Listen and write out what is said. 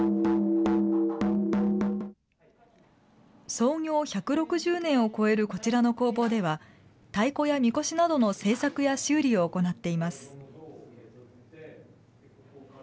創業１６０年を超えるこちらの工房では、太鼓やみこしなどの製作や修理を行っています。